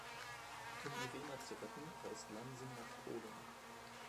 Um Irena zu retten, reist Lansing nach Polen.